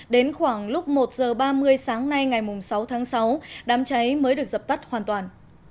đến khoảng lúc một h ba mươi sáng nay ngày sáu tháng sáu đám cháy mới được dập tắt hoàn toàn